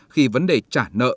khi vấn đề trả nợ